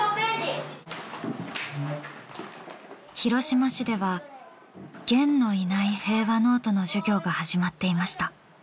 広島市では『ゲン』のいない平和ノートの授業が始まっていました。